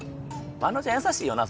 あのちゃん優しいよな